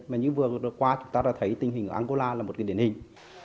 mà những vừa qua chúng ta đã thấy tình hình ở angola là một cái điển hình